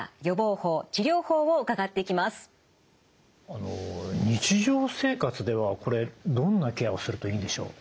あの日常生活ではこれどんなケアをするといいんでしょう？